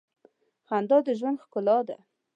خندا د ژوند ښکلا ده.